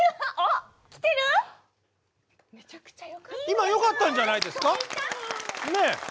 今よかったんじゃないですか？